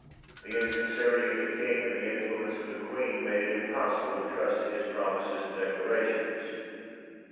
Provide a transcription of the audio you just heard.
The insincerity of the king and the influence of the queen made it impossible to trust to his promises and declarations.